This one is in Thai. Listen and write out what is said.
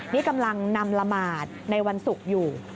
นี่กำลังนำละหมาดในวันศุกร์อยู่